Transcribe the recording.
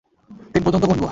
তিন পর্যন্ত গুনব।